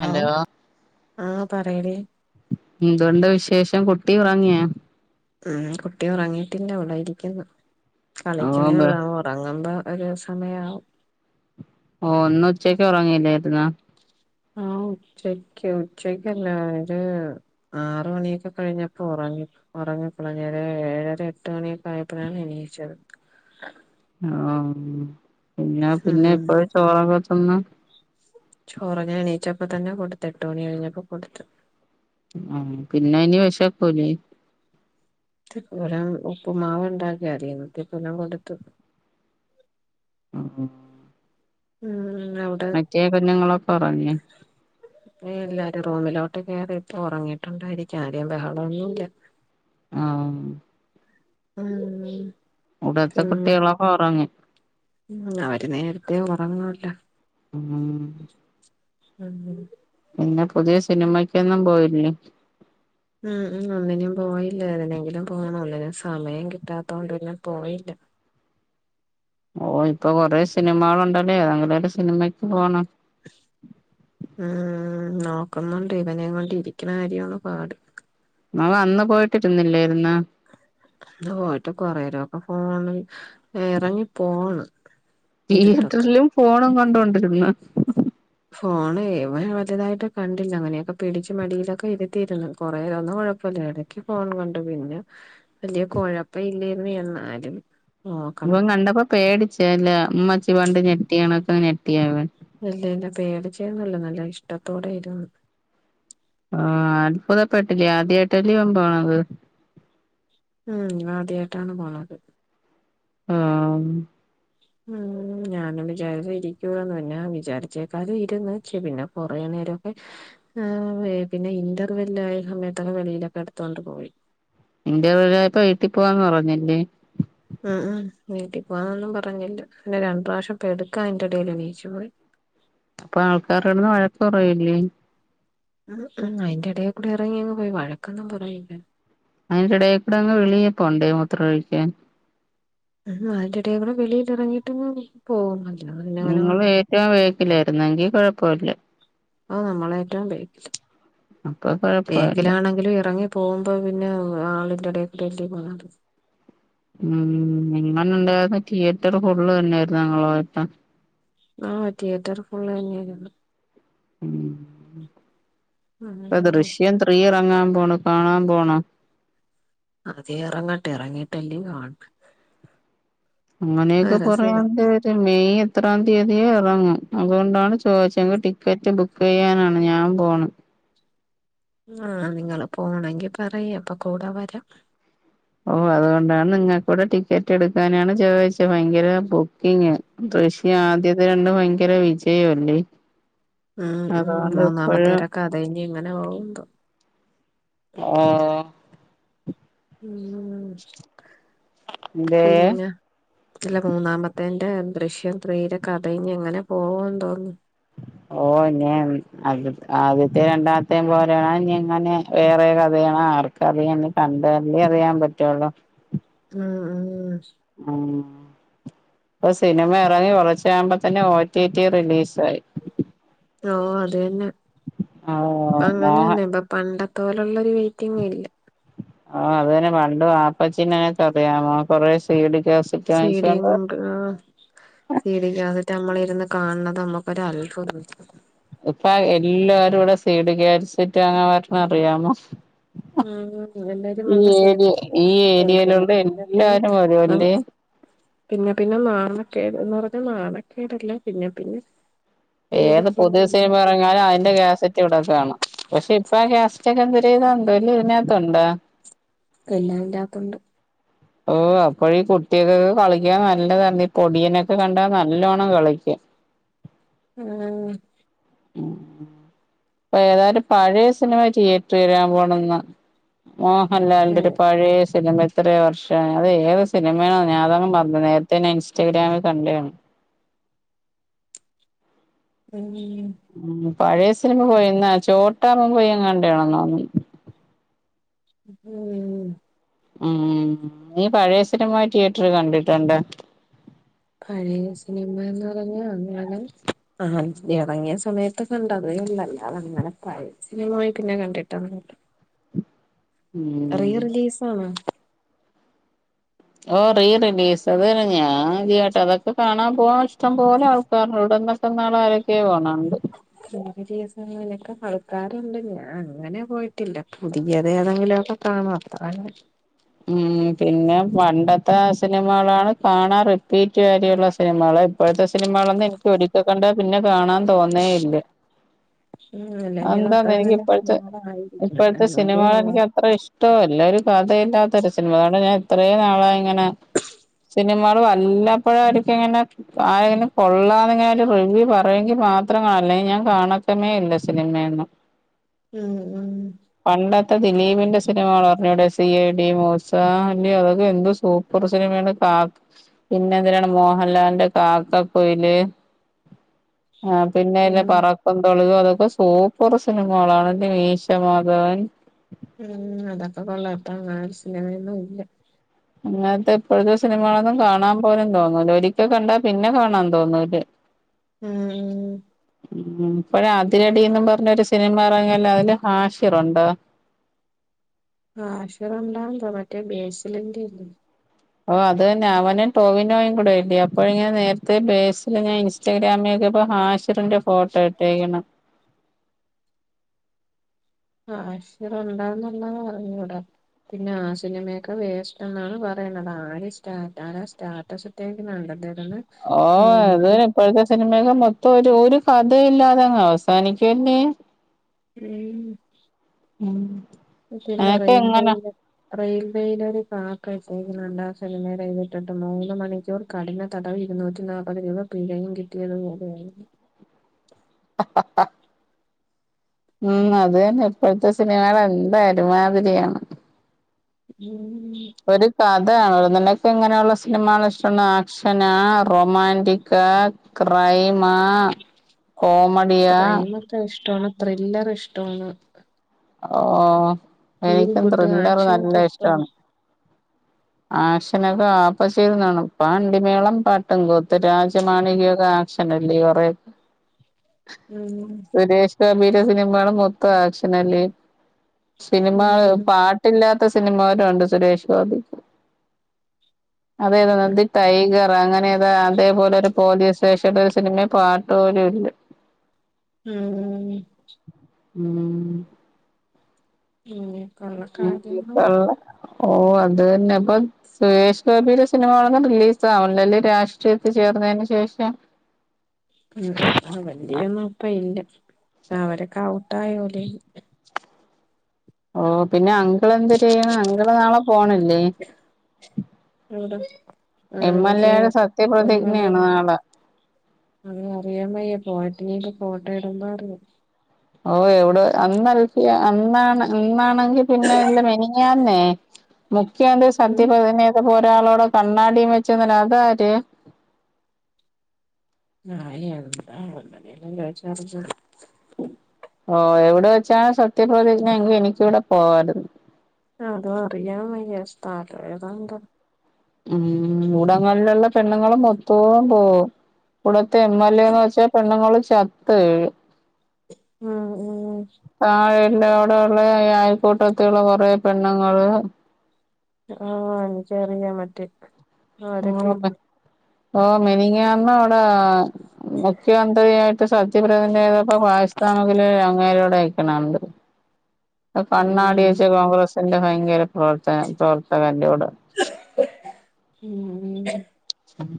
Hello ആഹ് പറയെടീ എന്തുണ്ട് വിശേഷം കുട്ടി ഉറങ്ങിയാ ഉം കുട്ടി ഉറങ്ങിയിട്ടില്ല ഇവിടെ ഇരിക്കുന്നു ഓ കളിക്കനേ ബ ഉള്ളൂ അവൻ ഉറങ്ങുമ്പോ ഒരു സമയം ആവും ഓഹ് ഇന്ന് ഉച്ചക്ക് ഉറങ്ങില്ലായിരുന്നോ ആഹ് ഉച്ചക്കിയോ ഉച്ചയ്ക്കല്ല ഒര് ആറ് മണിയൊക്കെ കഴിഞ്ഞപ്പോ ഉറങ്ങി ഉറങ്ങിയപ്പൊളാ ഞാന് ഏഴര എട്ട് മണിയൊക്കെ ആയപ്പോഴാണ് എണീയിച്ചത് ആഹ് എന്നാ പിന്നെ ഉം എപ്പഴാ ചോറക്കത്തിന്നെ ചോറ് ഞാന് എണീച്ചപ്പോ തന്നെ കൊടുത്ത് എട്ട് മണി കഴിഞ്ഞപ്പോ കൊടുത്ത് ആഹ് പിന്നെ ഇനി വെശകൂലെ ഇവിടെ ഉപ്പ് മാവ് ഉണ്ടാക്കി അതീന്ന് ഇത്തിരി തിന്നാൻ കൊടുത്തു ഉം ഉം [unintelligible] മറ്റേ കുഞ്ഞുങ്ങളൊക്കെ ഉറങ്ങിയോ എല്ലാരും റൂമിലോട്ട് കേയറി ഇപ്പം ഉറങ്ങിയിട്ടുണ്ടായിരിക്കാം ആരേം ബഹളഒന്നുല്ല ആഹ് ഉം ഇവിടുത്തെ പിന്നെ കുട്ടികളൊക്കെ ഒറങ്ങി ഉം അവര് നേരത്തേ ഉറങ്ങുവല്ലോ ഉം [unintelligible] പിന്നെ പുതിയ സിനിമക്കൊന്നും പോയില്ലേ ഉം ഉം ഒന്നിനും പോയില്ല ഏതിനെങ്കിലും പോണം ഒന്നിനും സമയം കിട്ടാത്തോണ്ടല്ലം പോയില്ല ഓഹ് ഇപ്പൊ കൊറെ സിനിമാൾ ഉണ്ടല്ലേ ഏതെങ്കിലും ഒരു സിനിമക്ക് പോണം ഉം നോക്കുന്നുണ്ട് ഇവനേം കൊണ്ട് ഇരിക്കണ കാര്യാണ് പാട് മോന് അന്ന് പോയിട്ടിരുന്നില്ലെരുന്നോ അന്ന് പോയിട്ട് കൊറേരൊക്ക ഫോണ് ഇറങ്ങി പോണ് ഇരുട്ടത്ത് തിയേറ്ററിലും ഫോണും കണ്ടോണ്ടിരുന്നോ ഫോണ് ഇവൻ വലുതായിട്ട് കണ്ടില്ല അങ്ങനെയൊക്കെ പിടിച്ചു മടിയിലൊക്കെ ഇരുത്തിയിരുന്നു കൊറേതൊന്നും കുഴപ്പമില്ലായിടെ ഫോൺ കണ്ട് പിന്നെ വല്യയ ക്കൊഴപ്പ ഇല്ലാര്ന്നു എന്നാലും നോക്കണം ഇവൻ കണ്ടപ്പോ പേടിച്ച് ഉമ്മച്ചി പണ്ട് ഞെട്ടിയാണക്ക ഞെട്ടിയ അവൻ ല്ല ല്ല പേടിചെന്നല്ല നല്ല ഇഷ്ടത്തോടെ ഇരുന്ന് ആഹ് അത്ഭുതപ്പെട്ടില്ലേ ആദ്യയായിട്ടല്ലേ ഓൻ പോണത് ഉം ആദ്യായിട്ടാണ് പോണത് ഉം ഉം ഞാനും വിചാരിച്ച് ഇരിക്കൂലാന് ഞാൻ വിചാരിച്ചേകാലും ഇരുന്ന്ച്ച് പിന്ന കൊറേ നേരൊക്കെ ആഹ് പിന്നെ ഇന്റർവെല് ആയ സമയത്തൊക്കെ വെളിയിലൊക്കെ എടുത്തോണ്ട് പോയി ഇൻറ്റർ വല്ല് ആയപ്പോ വീട്ടി പോവാന്ന് പറഞ്ഞില്ലേ ആഹ് ആഹ് വീട്ടി പോവാന്നൊന്നും പറഞ്ഞില്ല പിന്നെ രണ്ട് പ്രാവശ്യം പെട്ക്കാ അയിന്റെ എടയിൽ നീച്ചു പോയി അപ്പൊ ആൾക്കാർവന്ന് വഴക്ക് പറയില്ലേ ഉം അയിന്റെ എടെകൂടെ എറങ്ങിയങ്ങ് അങ് പോയി വഴക്കൊന്നും പറയൂല അയിന്റെ എടേകൂടെ അങ് വിളിയപ്പോണ്ടേ മൂത്ര ഒഴിക്കാൻ ഉം അതിന്റെ എടേകൂടെ വളിയില് ഇറങ്ങിട്ട് പോകും അല്ലാതെ നിങ്ങൾ ങ്ങനെവാങ്ങാൻ ഏറ്റവും വേക്കിലായിരുന്നങ്കി കക്കൊഴപ്പൊല്ല അഹ് നമ്മള ഏറ്റം [unintelligible] അപ്പൊ കൊഴപ്പമില്ല ബേക്കിലാണങ്കിലും ഇറങ്ങി പോകുമ്പോ പിന്നെ ആളിന്റെടൽ കൂടി എല്ലേ പോണത് ഉം ഇങ്ങനെ ഉണ്ടായിരുന്ന തിയേറ്റർ ഫുള്ള് തന്നെയായിരുന്നു ഞങ്ങള് പോയപ്പോ ആഹ് തിയേറ്റർ ഫുള്ള് തന്നെയായിരുന്നു ഉം ഇപ്പൊ ദൃശ്യം ത്രീ ഇറങ്ങാൻ പോണം കാണാൻ പോണ ആദ്യം ഇറങ്ങട്ടെ ഇറങ്ങീട്ടല്ലേ കാണ അങ്ങനെയൊക്കെ കുറെ സ്ഥലം [unintelligible] പ മെയ് എത്രാം തീയതി ഇറങ്ങും അതുകൊണ്ടാണ് ചോദിച്ച ഞക്ക് ടിക്കറ്റ് ബുക്ക് [unintelligible] ചെയ്യാനാണ് ഞാൻ പോണം ആഹ് നിങ്ങള് പോണങ്കി പറയ അപ്പൊ കൂടെ വരാം ഓ അതുകൊണ്ടാണ് നിങ്ങൾക്കൂടെ ടിക്കറ്റ് എടുക്കാനാണ് ചോദിച്ചത് ഭയങ്കര ബുക്കിങ് ദൃശ്യം ആദ്യത്തെ രണ്ടും ഭയങ്കര വിജയം അല്ലേ ഉം ഉം മൂന്നാമത്തെരെക്കഥയിനി എങ്ങനെ പോകോ എന്തോ ആഹ് ഉം എന്തേ പിന്നെ ഇല്ല മൂന്നാമത്തേന്റെ ദൃശ്യം ത്രീയിലെ കഥയിഞ്ഞി എങ്ങനെ പോകോ എന്തോന്ന് ഓഹ് ഇഞ്ഞി ആദ്യത്തെ രണ്ടാമത്തേ പോലെയാണ് ഇഞ്ഞി ഇങ്ങനെ വേറെ കഥയാണ് ആർക് ക്കറിയാം ഇനി കണ്ടല്ലേ അറിയാൻ പറ്റുള്ളൂ ഉം ഉം ഉം ഇപ്പൊ സിനിമ ഇറങ്ങി കുളച്ചാകുമ്പോ തന്നെ ഓ ടി പി റിലീസായി ഓഹ് അത് തന്നെ ആ അങ്ങനെ മോഹൻ തന്നെ ഇപ്പൊ പണ്ടത്തെ പോലുള്ളൊരു വെയ് റ്റിങ്ങില്ല ആഹ് അത് തന്നെ പണ്ട് വാപ്പച്ചീനെയെക്കറിയാമോ കൊറേ സീ ഡി ക്കാസ് സീ ഡിയും കൊണ്ട് ആ സീ ഡിക്കാസെ നമ്മള് ഇരുന്ന് കാണുന്നത് നമ്മുക്കൊരൽത്ഭുത ഇപ്പ എല്ലാവരും ഇവിടെ സീ ഡി കാസിറ്റിട്ട് വാങ്ങാ വരണ അറിയാമോ ഉം ഉം എല്ലാരും ഈ വന്ന് സിനിമ ഏരിയ ഈ കണ്ടാന്നെക്കെ ചോദിക്കുവായിരുന്നു ഏരിയയിലുള്ള പിന്നെ പിന്നെ എല്ലാരും വരുവല്ലേ പിന്നെ പിന്നെ നാണക്കേട് എന്ന് പറഞ്ഞ നാണക്കേടല്ലെ പിന്നെ പിന്നെ ഏത് പേടിക്കും പുതിയ സിനിമ ഇറങ്ങിയാലും അതിന്റെ കാസറ്റ് റ്റ് ഇവിടെ കാണും പക്ഷെ ഇപ്പ ആ ക്യാസറ്റൊക്കെ എന്തൊരീതൊ എന്തോ ഇല്ല ഇതിനകത്തുണ്ട എല്ലാം ഇതിന്റാത്തൊണ്ട് ഓഹൊ അപ്പോ ഈ കുട്ടികക്കൊക്കെ കളിക്കാൻ നല്ലതാണ് പൊടിയനൊക്കെ കണ്ടാ നല്ലോണ്ണം കളിക്കാം ഉം ഉം അപ്പൊ ഏതായാലും പഴയ സിനിമ തിയേറ്ററി വരാൻ പോണന്ന് മോഹൻലാലിന്റെ അതെ ഒരു പഴയ സിനിമ എത്രയ വർഷം അത് ഏത് സിനിമയാണോ ഞാ അതങ്ങ് മറന്ന് നേരത്തെ തന്നെ ഇൻസ്റ്റാഗ്രാമിൽ കണ്ടതാണ് ഉം ഉം പഴയ സിനിമ പോയിന്ന ചോട്ടാമുംബൈ എങ്ങാണ്ടണെന്നോന്ന് ഉം ഉം നീ പഴയ സിനിമായി തിയേറ്ററി കണ്ടിട്ടുണ്ട പഴയ സിനിമ എന്ന് പറഞ്ഞാ അങ്ങനെ ആഹ് ഇറങ്ങിയ സമയത്ത് കണ്ട് അതേ ഉള്ള് അല്ലാതെ അങ്ങനെ പഴയ സിനിമ പോയിറ്റ് കണ്ടിട്ടൊന്നുമില്ല [unintelligible] ഉം റിലീസ് ആണ് ഓഹ് റീ റിലീസ് അത് ഞാൻ ആദ്യായിട്ട അതൊക്കെ കാണാൻ പോകാൻ ഇഷ്ടം പോലെ ആൾക് പറൂടെന്നൊക്കെന്ന ആൾ ആരൊക്കെയൊ പോണുണ്ട് [unintelligible] ലൊക്കെ ആൾക്കാരുണ്ട് ഞാൻ അങ്ങനെ പോയിട്ടില്ല പുതിയത് ഏതെങ്കിലുമൊക്കെ കാണും അത്രന്നെ ഉം [inaudible] പിന്നെ പണ്ടത്തെ സിനിമകളാണ് കാണാൻ റിപ്പീറ്റ് വരിയുള്ള സിനിമകള് ഇപ്പോഴത്തെ സിനിമകളൊന്നും എനിക്ക് ഒരിക്ക കണ്ട പിന്നെ കാണാൻ തോന്നേയില്ല ഉം അല്ലെങ്കി അത്രേ എനിക്ക് നല്ല ഇപ്പോഴത്തെ സിനിമകളായിരിക്കണം എന്നാലേ ഉള്ള ട്ടോ എല്ല ഒരു കഥയില്ലാത്ത ഒരു സിനിമ ഞാൻ ഇത്രയും നാളായി ഇങ്ങനെ സിനിമകള് വല്ലപ്പോഴും ഒരിക്കെ ഇങ്ങനെ ആരെങ്കിലും കൊള്ളാന്ന് ഇങ്ങനെ ഒരു റിവ്യൂ പറയുവെങ്കി മാത്രം കാണും അല്ലെങ്കിൽ ഞാൻ കാണക്കമേ ഇല്ല സിനിമയൊന്നും ഉം ഉം പണ്ടത്തെ ദിലീപിന്റെ സിനിമകള് അറിഞ്ഞൂടെ സി ഐ ഡി മൂസ അതൊക്കെ എന്തോ സൂപ്പർ സിനിമയാണ് കാ പിന്നെ എന്തിനാണ് മോഹലാലിന്റെ കാക്കക്കുയില് അത് പിന്നെ എല്ല ഉം പറക്കും തളിക അതൊക്കെ സൂപ്പർ സിനിമകളാണ്ന്റെ മീശ മാധവൻ ഉം അതൊക്കെ കൊള്ളാം ഇപ്പന്നാല് സിനിമയൊന്നുല്ല അങ്ങനത്തെ ഇപ്പോഴത്തെ സിനിമകളൊന്നും കാണാൻ പോലും തോന്നൂല ഒരിക്കൽ കണ്ടാ പിന്നെ കാണാൻ തോന്നൂല ആഹ് ഉം ഇപ്പോഴ് അതിരടിന്ന് പറഞ്ഞൊരു സിനിമ എറങ്ങിയല്ലോ അതില് ഹാഷിറുണ്ടോ ആഹ് ഹാഷിറുണ്ടാന്തോ മറ്റേ ബേസിലിന്റെ അല്ലെ ഓഹ് അത് തന്നെ അവനും ടോവിനോയും കൂടെ അല്ലേ അപ്പോഴ് ഞാൻ നേരത്തെ ബേസിലിനെ ഇൻസ് സ്റ്റാഗ്രാമില് നോക്കിയപ്പോ ഹാഷിറിന്റെ ഫോട്ടോ ഇട്ടേക്ക്ണ് ആഹ് ഹാഷിറിണ്ടോന്നുള്ളെ അറിഞ്ഞൂടാ പിന്നെ ആ സിനിമയൊക്കെ വേസ്റ്റെന്നാണ് പറയ്ണത് ആരും സ്റ്റാ ധാരാളം സ്റ്റാ അസറ്റേക്ക്ന്ന കണ്ടോ അദ്ദേഹത്തിന്റെ ഓഹ് അത് ഇപ്പോഴത്തെ സിനിമയൊക്കെ മൊത്തം ഒരു ഒരു കഥയില്ലാതെങ്ങ് അവസാനിക്കുവല്ലേ ഉം ഉം പക്ഷെ അല്ല അതൊക്കെ എങ്ങനാ റെയിൽവേയില റെയിൽവേയിലൊരു പാക്ക് രണ്ടാം സിനിമേലെഴ്തിട്ടിട്ട് മൂന്ന് മണിക്കൂർ കഠിന തടവ് ഇരുന്നൂറ്റി നാല്പ്പത് രൂപ പിഴയും കിട്ടിയതുപോലെയായി ഉം അത് തന്നെ ഇപ്പോഴത്തെ സിനിമകള് എന്ത ഒരുമാതിരിയാണ് ഉം കഥയാണ് നിന്നക്കെങ്ങനെയുള്ള സിനിമകൾ ഇഷ്ടം ആക്ഷനാ റൊമാന്റിക്കാ ക്രൈമാ കോമഡിയാ റ്റ ഇഷ്ടവാണ് ത്രില്ലറിഷ്ടമാണ് ഓഹ് എനിക്കും ഗുഡ് ത്രില്ലർ നല്ല ആക്ഷനൊക്കെ ഇഷ്ടമാണ് ഇഷ്ടാണ് ആക്ഷനൊക്കെ ആപ്പ ചെയ്തുകാണും പാണ്ടിമേളം പാട്ടുംകൂത്തും രാജമാണികൊക്കെ ആ ക്ഷനല്ലേ കൊറേ ഉം സുരേഷ് ഗോപിയുടെ സിനിമകള് മൊത്തം ആക്ഷനല്ലേ ഉം സിനിമകള് പാ ട്ടില്ലാത്ത സിനിമവരുണ്ട് സുരേഷ് ഗോപിക്ക് അതെതാ നന്ദി ടൈഗറാ അങ്ങനെ ഏതാ അതേപോലെ ഒരു പോലീസ് സ്റ്റേഷനൊരു സിനിമേ പാട്ട് പോലും ഇല്ല ഉം ഉം ഉം ഉം കൊള്ളക്കാരെന്നോ ഓഹ് അത് തന്നെ പ്പം സുരേഷ് ഗോപിയുടെ സിനിമകളൊന്നും റിലീസ് ആവുന്നില്ല ലേ രാഷ്ട്രീയത്തിൽ ചേർന്നതിന് ശേഷം ഉം വല്യൊന്നും ഇപ്പ ഇല്ല അവരൊക്കെ ഔട്ടായോണ്ടേ ഓഹ് പിന്നെ അങ്കിളെന്ത് ചെയ്യ്ണെ അങ്കിള് നാളെ പോണില്ലേ ഇണ്ട് ആഹ് എം എൽ ഇന്ന്ട്ട് എയുടെ ഇമ്മണ്ട് സത്യപ്രതിജ്ഞയാണ് നാളെ അത് അറിയാം വയ്യെ പോയിട്ടില്ലെങ്കി ഫോട്ടോ ഇടുമ്പറിയാം ഓഹ് എവിടെ അന്നൽഫിയ അന്നാണ് അന്നാണെങ്കി പിന്നെ എന്താ മെനിഞാന്നെ മുഖ്യന്ത്രി ഉം സത്യപ്രതിജ്ഞ ചെയ്തപ്പൊ ഒരാള് അവ്ട് കണ്ണാടിയും വെച്ച് നിന്നെ അതാര് ഞാനേ ഒള്ളു ആഹ് വെറ്തെ എന്തേലും [unintelligible] ഓ എവിടെ വെച്ചാണ് സത്യപ്രതിജ്ഞ എങ്കി എനിക്ക്യൂടെ പോവാരുന്നു അതും അറിയാൻ വയ്യാ സ്ഥലാ ഏതാ എന്തൊ ഉം. മൂടങ്ങാല് ലുള്ള പെണ്ണുങ്ങള് മൊത്തോം പോവും. വിട്ത്തെ എം എൽ എ എന്ന് വെച്ചാ, പെണ്ണുങ്ങള് ചത്ത് വീഴും. ഉം. ഉം. താഴെ ഇല്ലെ അവിടെ ഉള്ളേ അയൽക്കൂട്ടത്തിലുള്ള കൊറേ പെണ്ണ്ങ്ങള്. അഹ് ആഹ് എനിക്കറിയാം മറ്റേ - [unintelligible] ഓഹ് മിനിഞ്ഞാന്ന് അവ്ടേ മുഖ്യമന്ത്രിയായിട്ട് സത്യപ്രതിജ്ഞ ചെയ്തപ്പോ പായസ്താമുഗില് അങ്ങേരുടെയ് ക്ക്ണണ്ടത് അഹ് കണ്ണാടി ഉം വെച്ച് കോൺഗ്രസിന്റെ ഭയങ്കര പ്രവർത്തനം പ്രവർത്തകന്റെ കൂടെ. ഉം ഉം ഉം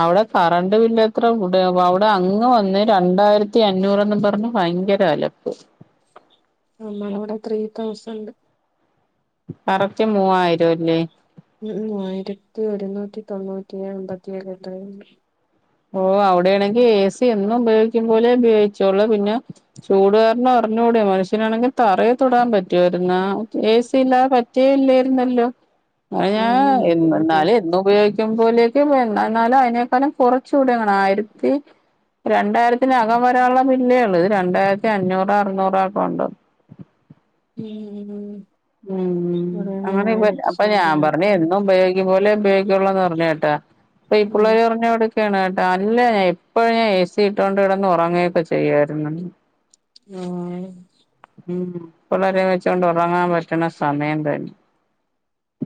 അവിടെ കറണ്ട് ബില്ല് എത്ര കൂടി ആവോ അവിടെ അങ്ങ് വന്ന് രണ്ടായിരത്തി അഞ്ഞൂറെന്നും പറഞ്ഞ് ഭയങ്കര. രെ അലപ്പ്. നമ്മളെവ്ടെ ത്രീ തൗസന്റ്. കറക്റ്റ് മൂവായിരം അല്ലേ ഉം ഉം മൂവായിരത്തി ഒരുന്നൂറ്റി തൊണ്ണൂറ്റി അങ്ങനെ എന്തൊക്കെ ഇണ്ടായിര്ന്ന്. ഓഹ് അവിടെയാണെങ്കിൽ ഏ സി എന്നും ഉപയോഗിക്കും പോലെ ഉപയോഗിച്ചൊള്ളൂ പിന്നെ ചൂട് കാരണം അറിഞ്കൂടെ. മനുഷ്യനാണെങ്കിൽ തറയെ തൊടാൻ പറ്റുവായിര്ന്നോ ഏ. സി ഇല്ലാതെ പറ്റേ ഇല്ലായിരുന്നല്ലോ. അഹ് ഞാ ഉം ഉം എന്നും ന്നാളീം എന്നും. ഉപയോഗിക്കുമ്പോലേക്കെ വന്ന് എന്നാലും അതിനേക്കാളം കൊറച്ചൂടെ എങ്ങനാ ആയിരത്തി രണ്ടായിരത്തിനകം വരാൻള്ളെ ബില്ലേ ഒള്ള് ഇത് രണ്ടായിരത്തി അഞ്ഞൂറോ അറുന്നൂറോഒക്കെ ഉണ്ട്. ഉം ഉം ഉം ഉം. അങ്ങനെ ഇവ അപ്പൊ ഞാൻ സംതിങ് പറഞ്ഞ് ആക്കും എന്നും ഉപയോഗി ക്കുംപോലെ ഉപയോഗികൊള്ളന്ന് പറഞ്ഞ് കെട്ടാ. അപ്പ ഈ ഉം പുള്ളേര് പറഞ്ഞു ന്നോട് ക്കാണ് കെട്ടാ. അല്ല ഞ എപ്പഴും ഞാൻ ഏ. സി ഇട്ടോണ്ട് കെടന്ന് ഒറങ്ങ്യൊക്കെ ചെയ്യായിര്ന്നെന്ന്. യോ ഏഹ് ഉം. പിള്ളേരെ വെച്ചോണ്ട് ഇറങ്ങാൻ പറ്റ്ണ സമയം തന്നെ.